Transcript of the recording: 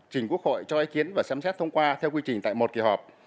trình quốc hội cho ý kiến và xem xét thông qua theo quy trình tại một kỳ họp